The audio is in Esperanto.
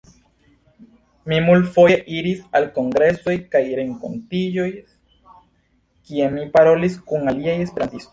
Mi multfoje iris al kongresoj kaj renkontiĝoj, kie mi parolis kun aliaj esperantistoj.